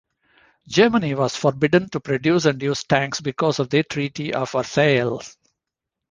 Germany was forbidden to produce and use tanks because of the Treaty of Versailles.